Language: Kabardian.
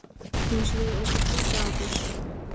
Иужьрей Iуэху бзу кIагуэщ.